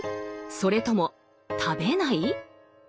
それとも食べない？